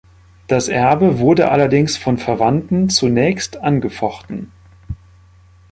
Das Erbe wurde allerdings von Verwandten zunächst angefochten.